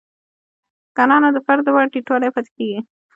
که نه نو د فرد لپاره ټیټوالی پاتې کیږي.